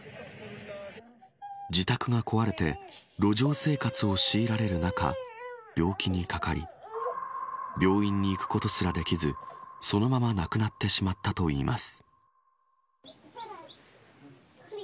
自宅が壊れて路上生活を強いられる中病気にかかり病院に行くことすらできずそのまま亡くなってしまったといいます。